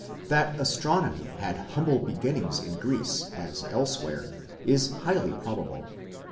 That astronomy had humble beginnings in Greece as elsewhere is highly probable.